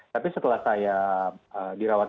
tapi setelah saya dirawat